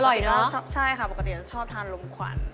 อร่อยเนอะใช่ค่ะปกติชอบทานลมขวัญ